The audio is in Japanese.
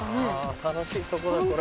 楽しいとこだこれは。